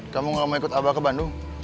kamu gak mau ikut abah ke bandung